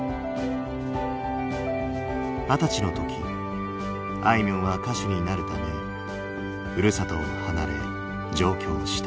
二十歳の時あいみょんは歌手になるためふるさとを離れ上京した。